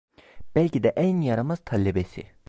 Belki de en yaramaz talebesi.